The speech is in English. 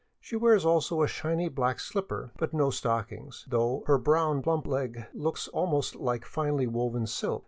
She wears also a shiny black slipper, but no stockings, though her brown plump leg looks almost like finely woven silk.